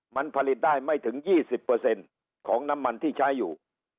มันผลิตได้ไม่ถึง๒๐ของน้ำมันที่ใช้อยู่